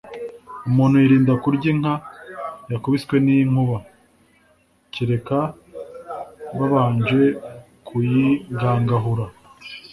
Umuntu yirinda kurya inka yakubiswe n’inkuba, kereka babanje kuyigangahura,